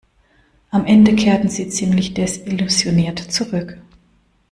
Am Ende kehrten sie ziemlich desillusioniert zurück.